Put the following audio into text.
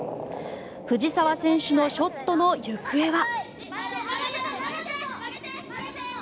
藤澤選手のショットの行方は。